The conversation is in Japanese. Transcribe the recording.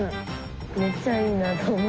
めっちゃいいなと思います。